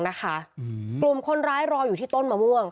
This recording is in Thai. กลุ่มคนร้ายรออยู่ที่ต้นมะม่วง